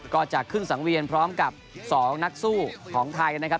ก็จะขึ้นสังเวียนพร้อมกับ๒นักสู้ของไทยนะครับ